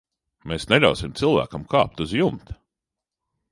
Mēs neļausim cilvēkam kāpt uz jumta.